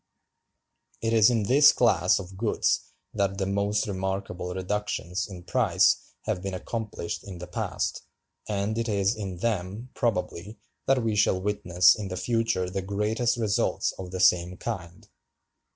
It is in this class of goods that the most remarkable reductions in price have been accomplished in the past, and it is in them, probably, that we shall witness in the future the greatest results of the same kind."